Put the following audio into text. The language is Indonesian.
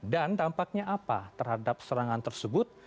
dan tampaknya apa terhadap serangan tersebut